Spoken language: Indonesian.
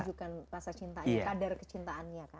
menunjukkan rasa cintanya kadar kecintaannya kan